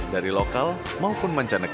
dari lokal maupun manjabat